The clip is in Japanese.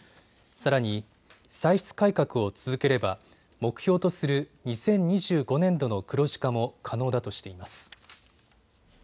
さらに、歳出改革を続ければ目標とする２０２５年度の黒字化も可能だとしています。